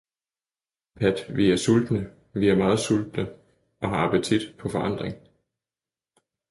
Pat, vi er sultne, vi er meget sultne, og vi har appetit på forandring.